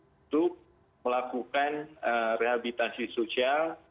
untuk melakukan rehabilitasi sosial